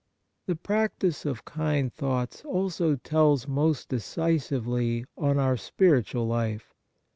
The practice of kind thoughts also tells most decisively on our spiritual life.